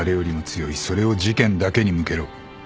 それを事件だけに向けろ。